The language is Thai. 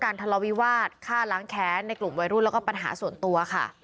เรื่องการทะเลาวิวาดฆ่าล้างแค้นในกลุ่มวัยรุ่นและปัญหาส่วนตัว